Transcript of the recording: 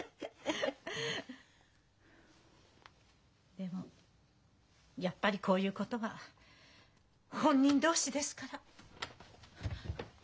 でもやっぱりこういうことは本人同士ですから。